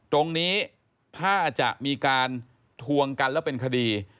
ตรงนี้ถ้าจะมีการทวงกันแล้วเป็นคดี